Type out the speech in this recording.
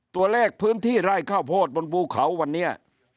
ตัวเลขพื้นที่ไร่ข้าวโพดบนภูเขาวันนี้